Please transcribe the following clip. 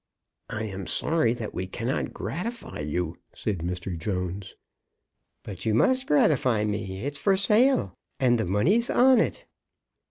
"I am sorry that we cannot gratify you," said Mr. Jones. "But you must gratify me. It's for sale, and the money's on it."